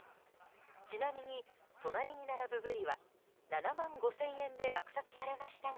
ちなみに、隣に並ぶブリは７万５０００円で落札されましたが。